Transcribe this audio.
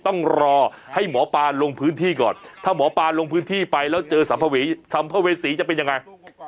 ต้องรอให้หมอปลาลงพื้นที่ก่อนถ้าหมอปลาลงพื้นที่ไปแล้วเจอสัมภวีสัมภเวษีจะเป็นยังไง